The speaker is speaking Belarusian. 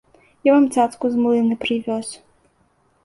Я вам цацку з млына прывёз.